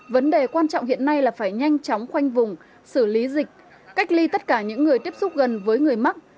vấn đề quan trọng hiện nay là phải nhanh chóng khoanh vùng xử lý dịch cách ly tất cả những người tiếp xúc gần với người mắc